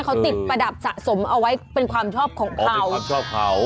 เขาติดประดับสะสมเอาไว้เป็นความชอบเขา